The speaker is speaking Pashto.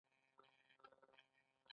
دا د مقاومت یوه لارچاره ده.